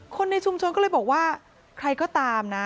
คนในชุมชนก็เลยบอกว่าใครก็ตามนะ